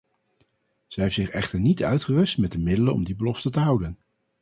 Zij heeft zich echter niet uitgerust met de middelen om die belofte te houden.